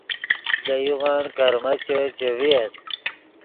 لے یوغن کرمیچے چے ڤییت